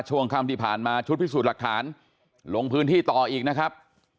ช่วงค่ำที่ผ่านมาชุดพิสูจน์หลักฐานลงพื้นที่ต่ออีกนะครับ